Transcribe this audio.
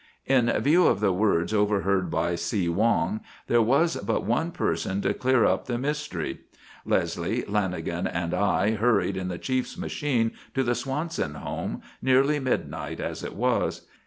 In view of the words overheard by See Wong, there was but one person to clear up the mystery. Leslie, Lanagan and I hurried in the chief's machine to the Swanson home, nearly midnight as it was.